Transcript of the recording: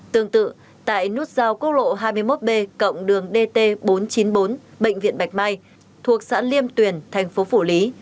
tương tự tại nút giao quốc lộ hai mươi một b cộng đường dt bốn trăm chín mươi bốn bệnh viện bạch mai thuộc xã liêm tuyền thành phố phủ lý